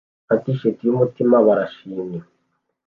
na t-shirt yumutima barishimye